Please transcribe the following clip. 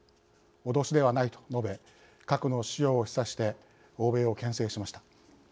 脅しではない」と述べ核の使用を示唆して欧米をけん制しました。